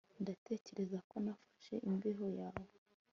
Ndatekereza ko nafashe imbeho yawe